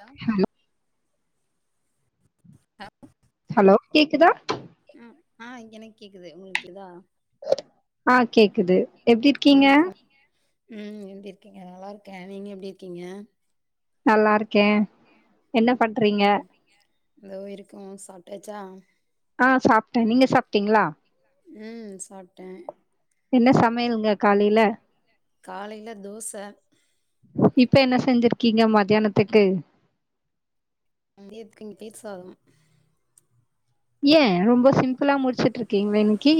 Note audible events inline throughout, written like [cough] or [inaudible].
Hello ஆமா hello லோ கேக்குதா ஆ ஆ எனக்கு கேக்குது உங்களுக்கு கேக்குதா ஆ கேக்குது எப்பிடி இருக்கீங்க வணக்கம் ம் எப்படி இருக்கீங்க நல்லாருக்கே நீங்க எப்படி இருக்கீங்க நல்லாருக்கே என்ன பண்றீங்க இந்தோ இருக்க சாப்ட்டாச்சா ஆ சாப்ட்டே நீங்க சாப்ட்டீங்களா ம் சாப்ட்டே என்ன சமையலுங்க காலையில காலையில தோச இப்ப என்ன செஞ்சிருக்கீங்க மதியானத்துக்கு மத்தியத்துக்கு இங்க தயிர் சாதம் ஏ ரொம்ப சிம்ப்ளா முடிச்சுட்டுருக்கீங்களே இன்னைக்கி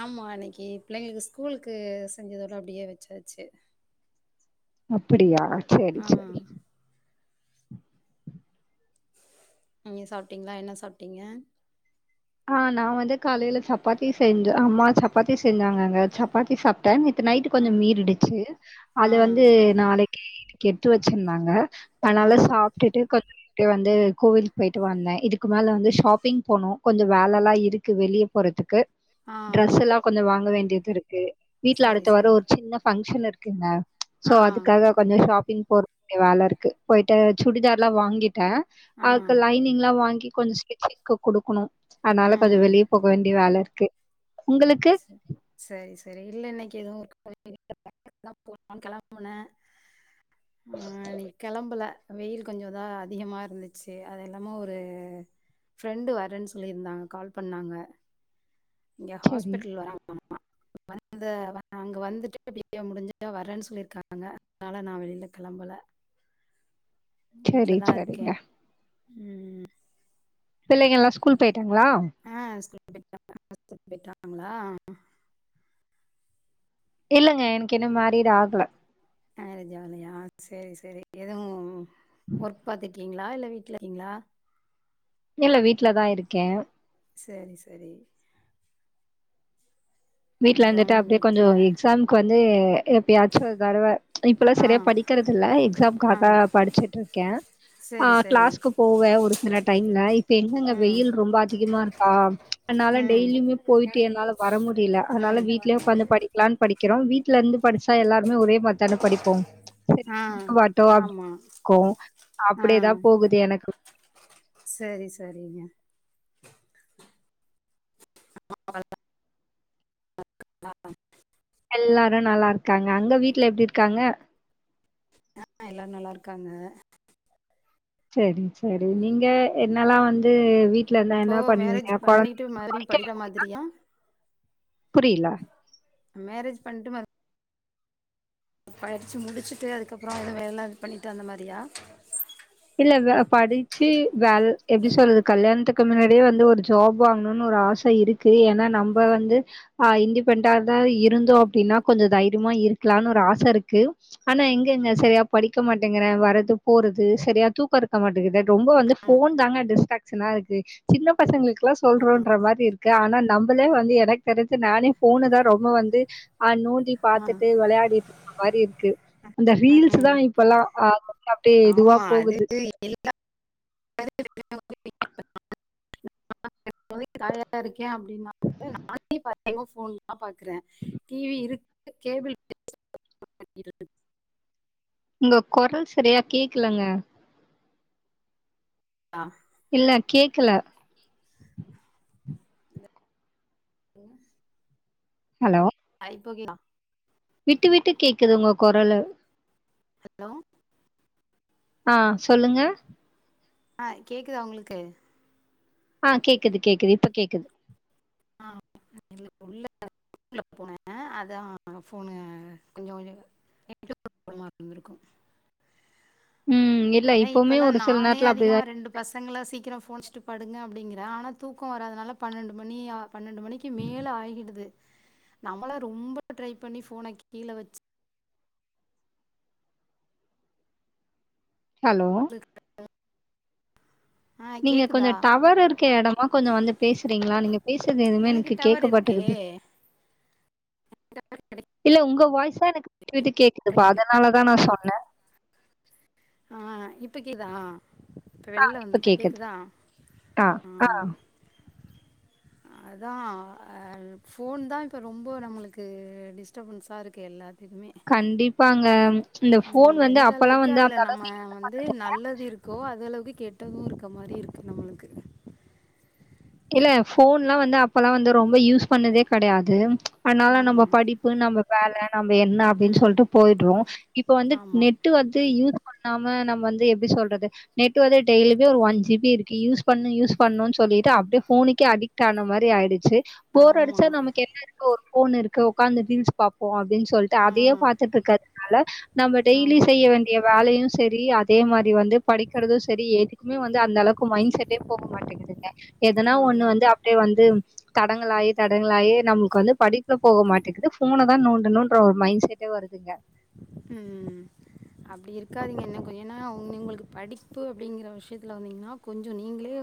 ஆமா இன்னைக்கி புள்ளைங்களுக்கு ஸ்கூலுக்கு செஞ்சதோட அப்டியே வெச்சாச்சு அப்பிடியா ஆ நீங்க சாப்ட்டீங்ளா என்ன சாப்ட்டீங்க ஆ நா வந்து காலையில சப்பாத்தி செஞ்ச அம்மா சப்பாத்தி செஞ்சாங்க அங்க சப்பாத்தி சாப் ட்ட நேத்து நைட்டு கொஞ்சோ மீறிடிச்சு அது ஆ ஆ வந்து நாளைக்கி இன்னைக்கி எடுத்து வெச்சிர்ந்தாங்க ஆ அனால சாப்டுட்டு கொஞ் அப்டியே வந்து கோவில்க் பொயிட்டு வந்த இதுக்கு மேல வந்து ஷாப்பிங் போனு கொஞ்சோ வேலலா இருக்கு வெளிய போறதுக்கு வந்து ஆ டிரஸெல்லா கொஞ்சோ வாங்க வேண்டியதுருக்கு வீட்ல சரி அடுத்த வரோ சரி ஒரு சின்ன ஃபங்க்ஷன் இருக்குங்க சோ ஆ அதுக்காக கொஞ்சோ ஷாப்பிங் போகக்குடிய வேலூருக்கு போயிட்டு சுடிதர்லா வாங்கிட்டே ஆ ஆக்கு லைனிங்லா வாங்கி கொஞ்சோ ஸ்டிச்சிங் குடுக்கணு அனால கொஞ்சோ ம் வெளிய போக வேண்டிய வேலருக்கு உங்களுக்கு செரி செரி இல்ல இன்னைக்கி எதுவு ஒர்க் [inaudible] போலான் கெளம்புனா அ நீ கெளம்பல வெயில் கொஞ்சோ தா அதிகமா இருந்துச்சு அது எல்லாமு ஒரு ஃப்ரெண்டு வரன் சொல்லிர்ந்தாங்க கால் பண்ணாங்க இங்க சரி, ஹாஸ்பிட்டில் வராங்களா வந்த வ அங்க வந்துட்டு இப்டியே முடுஞ்சா வர்ரன் சொல்லிருக்காங்க அதனால நா வெளில கெளம்பல சரி, வீட்லதா இருக்கே சரிங்க. ம் பிள்ளைங்கெல்லா ஸ்கூல் பேயிட்டாங்ளா ஆ ஸ்கூல் [inaudible] ங்ளா இல்லங்க எனக்கு இன்னு மேரிட் ஆகல மேரேஜ் ஆகலையா சேரி சேரி எதுவு ஒர்க் பாத்துக்கீங்ளா இல்ல வீட்லருகீங்ளா இல்ல வீட்லதா இருக்கே சரி சரி வீட்ல அப்புறம் இருந்துட்டு அப்டியே கொஞ்சோ வீட்டில் எக்ஸாம்க்கு வந்து எப்பியாச்சு ஒரு தடவ இப்பல்லா ஆ சரியா படிக்கறதுல்ல ஆ எக்ஸாம்காக படுச்சுட்ருக்கே ஆ சரி சரி கிளாஸ்க்கு போவே ஒரு சில டைம்ல இப்ப என்னங்க ம் வெயில் ரொம்ப அதிகமாருக்கா அன்னால ம் டெய்லிமே போயிட்டு என்னால வர முடில அனால வீட்லே உக்காந்து படி லான் படிக்கிறோ வீ்ட்ல இந்து படுச்சா எல்லாருமே ஒரே மார்த்தான படி போம் ச் சரி ஆ கொடுக்க வாட்டோ அப்டி ஆமா [inaudible] கு ஆ அப்டிதா போகுது எனக்கு சரி சரிங்க [inaudible] [inaudible] எல்லாரு நல்லாருக்காங்க அங்க வீட்ல எப்டி இர்க்காங்க ஆ எல்லாரு நல்லாருக்காங்க செரி செரி நீங்க என்னல்லா வந்து வீட்ல இருந்தா இப்போ என்ன மேரேஜ் பண்வீங்க பண்ணிட்டு கொழந்தங்கள மறுபடியு படிக்க படிக்கிற வப்பீங்ளா மாதிரியா புரியில மேரேஜ் பண்ட்டு மறு படுச்சு முடுச்சுட்டு அதுக்கப்றோ எது வேல பண்ணிட்டு அந்த மாரியா இல்ல வே படுச்சு வேல் எப்டி சொல் கல்யாண்த்துக்கு மின்னாடியே வந்து ஒரு ஜாப் வாங்கணுன்னு ஒரு ஆச இரு கு ஏன்னா நம்ப வந்து ஆ இன்டிபெண்டா தா இருந்தோ அப்டின்னா கொஞ்ச தைரிமா இருக்லான்னு ஒரு ஆசருக்கு ஆனா எங்கங்க சரியா படிக்க மாட்டேங்குற வறது போறது சரியா தூக்க இருக்க மாட்டகுது ரொம்ப வந்து ஆ ஃபோன் தாங்க டிஸ்ட்ராக்சனாருக்கு சின்ன பசங்கள்க்கு க்லா சொல்றோன்ற மாரி இருக்கு ஆனா நம்பளே வந்து எனக் தெருஞ்சு நானே ஃபோனு தா ரொம்ப வந்து ஆ நோண்டி பாத்துட்டு ஆ வெளையாடிட் ருக்ற மாரி இருக்கு அந்த ரீல்ஸுதா ம் இப்பல்லா ஆ [inaudible] அப்டே இதுவா போகுது இல்ல [inaudible] [inaudible] காயாருக்கே அப்டின்னா [inaudible] ஃபோன்தா பாக்குற டிவி இருக் கேபுள் [inaudible] உங்க கொரல் சரியா கேக்லங்க ஆ இல்ல கேக்கல பா ஹலோ ஐ ப்ப ஓகேங்லா விட்டு விட்டு கேக்குது உங்க கொரலு ஹலோ ஆ சொல்லுங்க ஆ கேக்குதா உங்களுக்கு ஆ கேக்குது கேக்குது இப்ப கேக்குது ஆ [inaudible] உள்ள உள்ள போனே அதா ஃபோனு கொஞ்ச கொஞ்சோ [inaudible] இருந்திருக்கு ம் இல்ல அதா இப்பவுமே இப்பல்லா ஒரு சில நானே நேரத்துல அதிகமா அப்டிதா ரெண்டு பசங்களா சீக்கிரோ ஃபோன்னச்சிட்டு படுங்க அப்டிங்கிறே ஆனா தூக்க வராதுனால பன்னெண்டு மணி ஆவு பன்னெண்டு மணிக்கி மேல ஆகிடுது நம்மள ரொம்ப ட்ரை பண்ணி ஃபோன கீழ வச்சு ஹலோ [inaudible] ஆ நீங்க கொஞ்சோ கேக்குதா டவரு இருக்க எடமா கொஞ்சோ வந்து பேசுறீங்களா நீங்க பேசுறது எதுவுமே எனக்கு டவர் கேக்க இருக்கே மாட்டக்குது இல்ல உங்க வாய்ஸா எனக்கு விட்டு விட்டு கேக்குதுப்பா அதனாலதா நா சொன்னே ஆ இப்பக்கிதா இப்ப வெள்ல இப்ப வந்துட்டே கேக்குது கேக்குதா ஆ ஆ ம் அதா அ ஃபோன் தா இப்ப ரொம்ப நம்மளுக்கு டிஸ் டபன்ஸ இருக்கு எல்லாத்துக்குமே கண்டிப்பாங்க இந்த ஃபோன் வந்து அப்பல்லா வந்து அந்த அளவுக்கு து நல்லது இருக்கோ அது அளவுக்கு கெட்டதுருக்க மாரி இருக்கு நம்மளுக்கு இல்ல ஃபோன்லா வந்து அப்பல்லா வந்து ரொம்ப யூஸ் பண்ணதே கடையாது அதனால நம்ம ஆமா படிப்பு நம்ம வேல நம்ம என்ன அப்டின்னு ம் சொல்லிட்டு போய்டுறோ இப்ப வந்து ஆமா நெட் டு வந்து யூஸ் பண்ணாம நம்ம வந்து எப்டி சொல்றது நெட்டு வந்து டய்லிமே ஒரு ஒன் ஜி பி இருக்கு யூஸ் பண்ணு யூஸ் பண்ணன்னு சொல்லலிகிட்டு அவ் ஃபோனுக்கே அடிட் ஆன மாரி ஆயிடுச்சு போர் ஆமா அடிச்சா நமக்கு என்ன ங்க ஒரு ஃபோன் இருக்கு உக்காந்து ரீல்ஸ் பார்போ அப்டின்னு சொல் ட்டு அதையே ஆ பாத்துட்டு இருக்கிறதுனால நம்ம டெய்லி ஆமா செய்ய வேண் செய்ய வேலையு செரி அதே மாரி வந்து படிக்கிறது செரி எதுக்குமே வந்து அந்த அளவுக்கு மைண்ட் செட்டே போக மாட்டேங்கு செய்யுதுங்க எதனா ஒண்ணு ஆமா வந்து அப்டியே வந்து தடங்களாயே தடங்களாயே நமக்கு வந்து படிப்புல போக மாட்டேக்குது ஃபோன தா நோண்டணும்ன்ற ஒரு மைண்ட் செட் டே வருதுங்க ம் அப்டி இருக்காதீங்க இன்னோ கொஞ்சோ நா என்னக்கும் ஏன்னாங்க உங்களுக்கு படிப்பு அப்படிங்கற விஷயத்துல வந்தீங்கன்னா கொஞ்சோ நீங்களே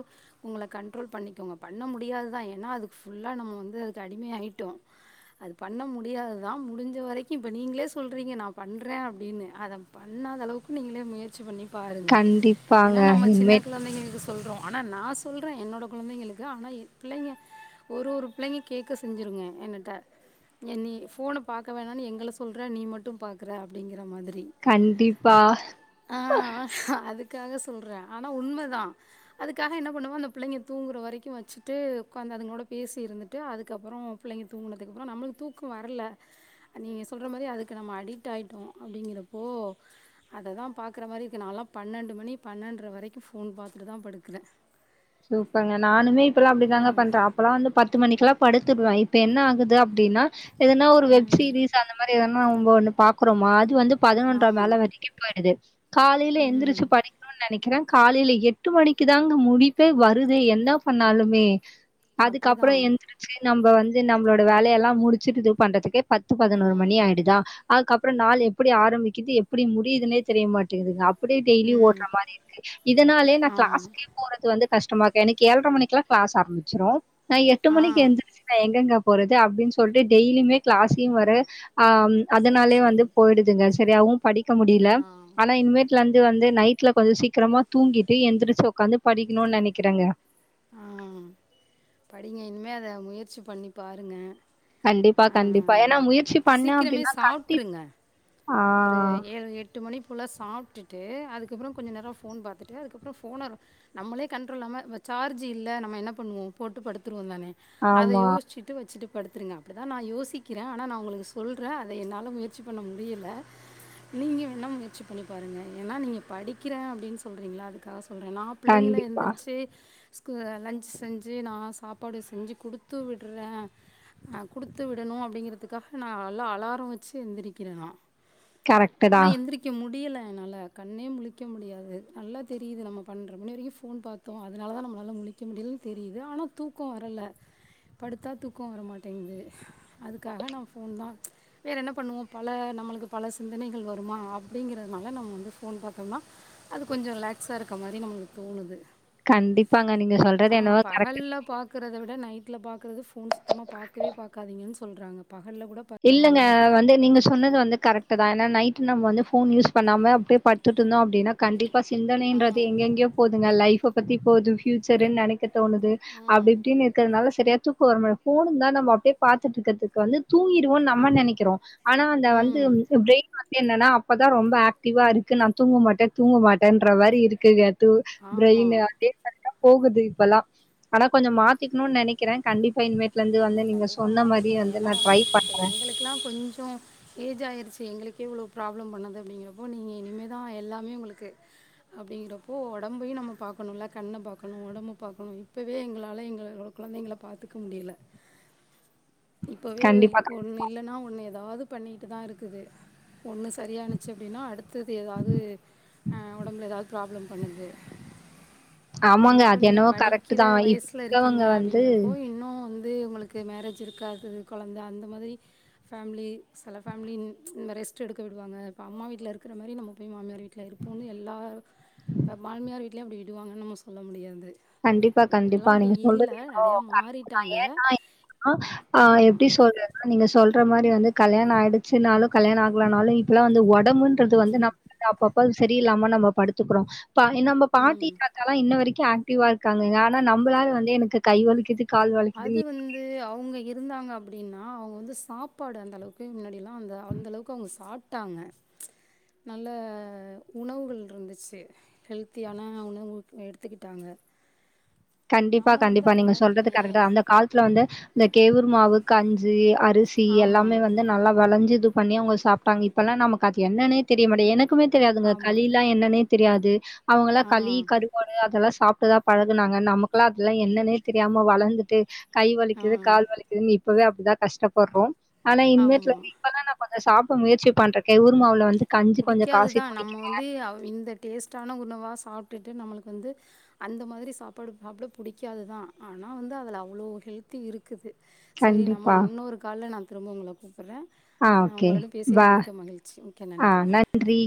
உங்கள கண்ட்ரோல் பண்ணிக்கோங்க பண்ண முடியாதுதா ஏன்னா அதுக்கு ஃபுல்லா நம்ம வந்து அதுக்கு அடிம ஆயிட்டோ அது பண்ண முடியாதுதா முடிஞ்ச வரைக்கு இப்ப நீங்ளே சொல் ரிங்க நா பண்றே அப்டின்னு அத பண்ணாத அளவுக்கு நீங்களே முயற் ச்சி பண்ணி பாருங்க கண்டிப்பாங்க ஏன்னா நம்ம சின்ன இனிமேட் குழந்தைங்க ஸ்வீ சொல்றோ ஆனா நா சொல்றே என்னோட கொழந்தைங்களுக்கு ஆனா என் பிள்ளைங்க ஒரு ஒரு பிள்ளைங்க கேட்க செஞ்சுிருங்க என்னட்ட ஏ நீ ஃபோனை பாக்க வேணான்னு எங்களை சொல்ற நீ மட்டும் பாக்குற அப்டிங்கிற மாதிரி கண்டிப்பா ஆ அதுக்காக சொல்றே ஆனா உண்மதா அதுக்காக என்ன பண்ணுவோ அந்த பிள்ளைங்க தூங்குற வரைக்கு வச்சுட்டு ஒக்காந்து அங்களோட பேசி இருந்து டு அதுக்கப்றோ பிள்ளைங்க தூங்கதுக்குப்ப நம்மளுக்கு தூக்க வரல நீங்க சொல்ற மாரி அதுக் க்கு நம்ம அடிக்ட் ஆயிட்டோ அப்டிங்கிறப்போ அததா பாக்குற மாரியிருக்கு நால்லா பன்னெண்டு மணி பன்னெண்ர வரைக்கு ஃபோன் பாத்துட்டுதா படுக்கிறே சூப்பருங்க நானுமே இப்பெல்லா அப்டிதாங்க ம் பண்றே அப்பல்லா வந்து பத்து மணிக்கெல்லா படுத்துடுவே இப்ப என்ன ஆகுது அப்டின்னா எதனா ஒரு வெப் ம் சீரிஸ் அந்த மாரி எதானா வந்து அங்க பாக்குறோமா அது வந்து பதினொன்ற ஆமாம் மேல வரைக்கி போய்டுது காலையில ம் எந்திரிச்சு படிக் க்கனு நெனைக்கிறே காலையில எட்டு மணிக்குதாங்க முழிப்பே வருது என்னா பண்ணாலுமே அப்படி அதுக்கப்பறோ தான் எந்திரச்சு நம்ம வந்து நம்மளோட வேலையெல்லா முடிச்சுட்டு இது பண்றதுக்கே பத்து பதினோரு மணி ம் ஆயுடுதா அதுகப்பற நாள் எப்டி ஆரம்பிக்குது எப்டி முடியுதுன்னே தெரிய மாட்டேங்குதுங்க அப் ப்டி டெய்லி ஓடுற ம் மாரி இருக்கு இதனாலே நா ஆமா கிளாஸ்கே போறது வந்து கஷ்டமாக்கு எனக்கு ஏழ்ர மணிக்கெல்லா கிளாஸ் ஆரம்பிச்சிடு நா எட்டு ஆ மணிக்கு எந்துச் நா எங்கெங்க போறது அப்டின்னு சொல்ட்டு டெய்லியுமே கிளாஸ்யு வர ஆ சரி அதனாலே சரி வந்து போயிடுதுங்க சரியாவு படிக்க ஆ முடியல ஆனா இனிமேட் லந்து வந்து நைட்ல கொஞ்ச சீக்ரமா தூங்கிட்டு எந்திரிச் ஒக்காந்து படிக்குணுன் நெனக்றங்க ம் படிங்க இனிமே அத முயற்சி பண்ணி பாருங்க கண்டிபா ஆ கண்டிபா ஏன்னா முயற்சி பண்ண சீக்கிரமே அப்டின்னா கண்டிப் சாப்ட்ருங்க ஒரு ஏழு எட் ட்டு மணிக்குள்ளே சாப்டுட்டு அதுக்கப்பறோ கொஞ்ச நேர போன் பாத்துட்டு அதுக்கப்றோ போன நம்மளே கண்ட்ரோல்லாம சார்ஜ் இல்ல நம்ம என்ன பண்ணுவோ போட்டு படுத்துருவோ தானே அத ஆமா யோசிச் த்து வச்சிட்டு படுத்துருங்க அப்டிதா நா யோசிக்கிறே ஆனா நா உங்களுக்கு சொல்றே அத என்னால முயற்சி பண்ண முடியல நீங்க வேண்ணா முயற்சி பண்ணி பாருங்க ஏன்னா நீங்க படிக்கிறே அப்டின்னு சொல்றீங்களா அதுக்காக சொல்றே நா புள்ளைங்கள கண்டிப்பா எந்திரிச்சி லன்ச் செஞ்சு நா சாப்பாடு செஞ்சு குடுத்து விட்றே அ கொடுத்து விடணு அப்படிங்கறிதுக்காக நா நல்லா அலார வச்சு எந்திரக்கிறே நா கரெக்ட்டு தா ஆனா எந்திரிக் க்கி முடில என்னால கண்ணே முழிக்க முடியாது நல்லா தெரிது நம்ம பன்ற மணி வரைக்கு ஃபோன் பாத்தோ அ அதனால தா நம்மளாலா முழிக்க முடியலன் தெரிது ஆனா தூக்கோ வரல படுத்தா தூக்கோ வரமாட்டேங்குது அதுகாக நா ஃபோன்தா வேறென்ன பண்ணுவோ பல நம்மளுக்கு பல சிந்தனைகள் வருமா அப்டிங்கறதுனால நம்ம வந்து ஃபோன் பாத்தம்னா அது கொஞ்ச ரிலாக்ஸா இருக்கமாரி நம்மளுக்கு தோணுது கண்டிப்பாங்க நீங்க சொல் அ பகல்ல பா க்கிறத விட நைட்ல பாக்கறது ஃபோன் சுத்தமா பாக்கவே பாக்காதீங்கன் சொல்றாங்க பகல்ல கூட இல்லங்க பரவாயில்ல. வந்து நீங்க சொன்னது வந்து கரெக்ட்டுதா ஏன்னா நம்ம வந்து ஃபோன் யூஸ் பண்ணாம அப்டே படுத்துட்டுந்தோ அப்டீனா கண்டிப்பா ஆ. சிந்தனைன்றது எங்கெங்யோ போதுங்க லைஃப பத்தி போது ஃபியூச்சர்ன் நெனைக்க தோணுது ம். அப்டிஇப்டின் இருக்கதுனால செரியா தூக்கொ வரமா ஃபோனு ந்தா நம்ம அப்டே பாத்துட்ருக்கதுக் வந்து தூங்கீருவோன் நம்ம நெனக்கிறோ ஆனா அந்த வந்து ம். ப்ரெயின் வந்து என்னன்னா அப்பதா ரொம்ப ஆக்டிவா இருக்கு நா தூங்கமாட்டே தூங்கமாட்டேன்ற மாரி இருக்குங்க து ஆமா ப்ரெயினு அதே கர்டா போகுது இப்பலா ஆனா கொஞ்ச மாத்திக்ணுன் நெனக்கிற கண்டிப்பா இனிமேட் லேந்து ஆமா வந்து நீங்க சொன்ன மாரியே வந்து நா ட்ரை பண்றே எங்களுக்ளா கொஞ்ச ஏஜ் ஆயிருச்சு எங்குளுக்கே இவ்ளோ ப்ராப்ளம் பண்ணுது அப்டிங்கிறப்போ நீங்க இனிமேதா எல்லாமே உங்ளுக்கு அப்டிங்கிறப்போ ஒடம்பையு நம்ம பாக்கணுல்ல கண்ண பாக்கணு ஒடம்ப பாக்கணு இப்பவே எங்கலாளா எங்கல குழந்தைங்கள பாத்துக்க முடியல இப்பவே கண்டிப்பா. ஒன்னு இல்லன்னா ஒன்னு எதாவது பண்ணிட்டு தா இருக்குது ஒன்னு சரியானுச்சு அப்டின்னா அடுத்தது எதாவது ஆ ஒடம்புல எதாது ப்ராப்ளம் பண்ணுது ஆமாங்க. ங்கிறப்போ அது நீங்க என்னவோ கரெக்ட் படிக்கிற தான். இப்ப வயஸ்ல இருக்கவங்க இருக்கீங்க வந்து அப்டிங்கிறபோ இன்னு வந் ந்து உங்களுக்கு மேரேஜ் இருக்காது கொழந்த அந்த மாதிரி பேம்லி செல பேம்லி இந்த ரெஸ்ட் எடுக்க விடுவாங்க இப்ப அம்மா வீட்ல இருக்ற மாரி நம்ம போய் மாமியார் வீட்ல இருக் ப்போனு எல்லாரு மாமியார் வீட்லயு இப்டி விடுவாங்கனு நம்ம சொல்ல முடியாது கண்டிப்பா கண்டிப்பா இப்போல்லாம் அப்படி நீங்க சொல்றது இல்லை ஏதோ நிறையா க நா மாறிட்டாங்க ஏன்னா ஆ ஆ ஆமாம் எப்டி சொல்லற நீங்க சொல்ற மாரி வந்து கல்யாண ஆய்டுச்சுனாலு கல்யாண ஆகலனாலு இப்பலா வந்து ஓட் உடம்புன்றது வந்து ம் நம்ம வந்து அப்பப்ப சரியில்லாம நம்ம படுத்துகுறோ ப்பா என்நம்ம பாட்டி ம் தாத்தாலா இன்ன வரைக்கு ஆக்டிவா இருக்காங்க ஆனா நம்மளால வந்து எனக்கு கைவலிக்கிது அது வந் ந்து அவுங்க இருந்தாங்க அப்டினா அவுங்க வந்து சாப்பாடு அந்தளவுக்கு முன்னாடிலா அந்த அந்தளவுக் க்கவுங்க சாப்ட்டாங்க நல்ல உணவுகள் இருந்துச்சு ஹெல்தியான உணவு எடுத்துகிட்டாங்க கண்டிப்பா கண்டிப்பா நீங்க சொல்றது கரேட்டு தான் அந்த காலத்துல வந்து இந்த கேவுர் மாவு கஞ்சு அரிசி எல்லாமே ஆமாம் வந் ந்து நல்லா வெளஞ்சு இது பண்ணி அவுங்க சாப்ட்டாங்க இப்பலா நமக்கு அது என்னனே தெரிய மாட்டிக்து என க்குமே தெரியாதுங்க ஆமாம் களிலா என்னனே தெரியாது அவுங்கலா ஆ களி கருப் வோடு அதெலா சாப்ட்டுதா பழகுனாங்க நமக்குலா அதெலா என்னனே தெரியாம வளந்துட்டு கை ஆ வலிக்குது கால் வலிக்குதுன் இப்பவே அப்டிதா கஷ்டபர்றோ ஆனா இன்மே ஆமாம் [unintelligible] இப்பலா நா கொஞ்ச சாப்ட முயற்சி பண்றே கெவுர் மாவ்ல வந்து கஞ்சி கொஞ்சம் காய்ச்சி புடிக்காதுதா நம்ம குடிக்கிறேன். வந்து அவ் இந்த டேஸ்ட்டான உணவா சாப்டுட்டு நம்மளுக்கு வந்து அந்த மாதிரி சாப்பாடு சாப்ட புடிக்காதுதா ஆனா வந்து அதுல அவ்ளோ ஹெல்தி இருக் க்குது சரி நம்ம கண்டிப்பா. இன்னொரு கால்ல நா திரும்ப உங்கள கூப்புறே ஆ வுங்களோட பேசியது மிக்க மகிழ்ச்சி மிக்க நன்றி ன்றி